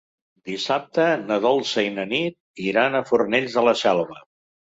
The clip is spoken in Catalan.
Dissabte na Dolça i na Nit iran a Fornells de la Selva.